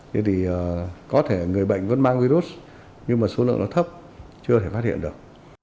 thế thì có thể người bệnh vẫn mang virus nhưng mà số lượng nó thấp chưa thể phát hiện được